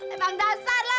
emang dasar loh